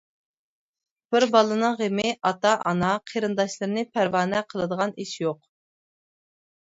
بىر بالىنىڭ غېمى ئاتا-ئانا، قېرىنداشلىرىنى پەرۋانە قىلىدىغان ئىش يوق.